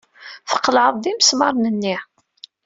Tqelɛeḍ-d imesmaṛen-nni.